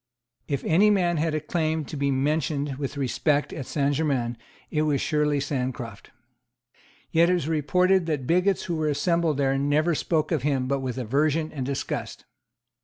If any man had a claim to be mentioned with respect at Saint Germains, it was surely Sancroft. Yet it was reported that the bigots who were assembled there never spoke of him but with aversion and disgust.